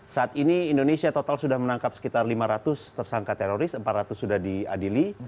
saat ini indonesia total sudah menangkap sekitar lima ratus tersangka teroris empat ratus sudah diadili